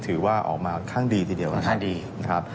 ถือว่าออกมาข้างดีทีเดียวนะครับ